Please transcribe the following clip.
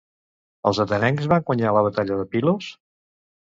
Els atenencs van guanyar la batalla de Pylos?